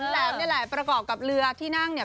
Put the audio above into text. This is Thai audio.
แหลมนี่แหละประกอบกับเรือที่นั่งเนี่ย